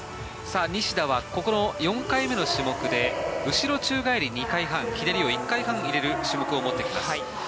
西田はここの４回目の種目で後ろ宙返り２回半ひねりを１回半入れる種目を入れてきます。